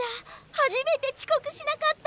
初めてちこくしなかった。